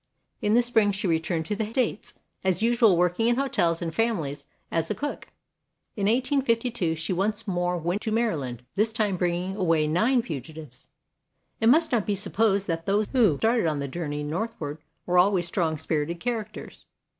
In the spring she returned to the States, as usual working in hotels and families as a cook. In 1852 she once more went to Maryland, this time bringing away nine fugitives. It must not be supposed that those who started on the journey northward were always strong spirited characters.